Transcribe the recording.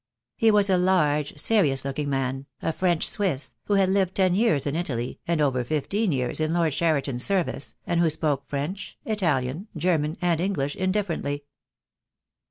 He was a large, serious looking man, a French Swiss, who had lived ten years in Italy, and over fifteen years in Lord Cheriton's service, and who spoke French, Italian, German, and English indifferently.